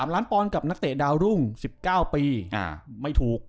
ล้านปอนด์กับนักเตะดาวรุ่ง๑๙ปีไม่ถูก